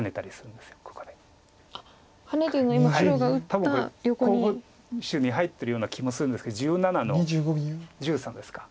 多分これ候補手に入ってるような気もするんですけど１７の十三ですか。